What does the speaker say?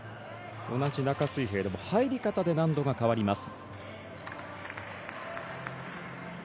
同じ中水平でも入り方で難度が変わります。